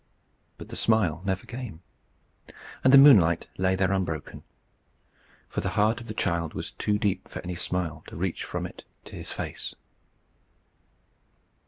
But the smile never came, and the moonlight lay there unbroken. For the heart of the child was too deep for any smile to reach from it to his face.